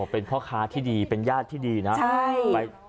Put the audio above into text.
เป็นพ่อค้าที่ดีเป็นญาติที่ดีนะ